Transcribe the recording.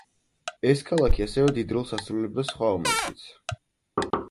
ეს ქალაქი ასევე დიდ როლს ასრულებდა სხვა ომებშიც.